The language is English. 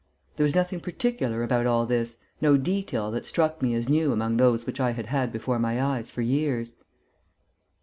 There was nothing particular about all this, no detail that struck me as new among those which I had had before my eyes for years....